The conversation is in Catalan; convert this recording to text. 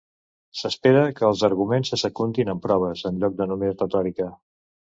S'espera que els arguments se secundin amb proves, en lloc de només retòrica.